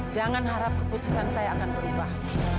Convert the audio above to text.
jangan harap keputusan saya akan berubah